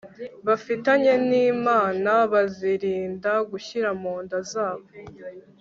bafitanye nImana bazirinda gushyira mu nda zabo